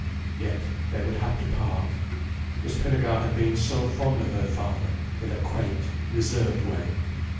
Yet they would have to part. Miss Pinnegar had been so fond of her father, in a quaint, reserved way.